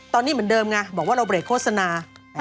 ตอนนี้เหมือนเดิมไงบอกว่าเราเบรกโฆษณา